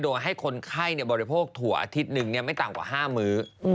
โดยให้คนไข้บริโภคถั่วอาทิตย์หนึ่งไม่ต่ำกว่า๕มื้อ